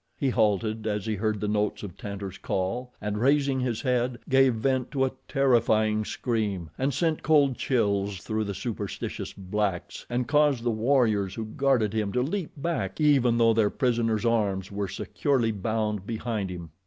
He halted as he heard the notes of Tantor's call, and raising his head, gave vent to a terrifying scream that sent cold chills through the superstitious blacks and caused the warriors who guarded him to leap back even though their prisoner's arms were securely bound behind him.